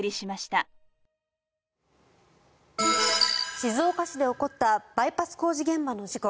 静岡市で起こったバイパス工事現場の事故。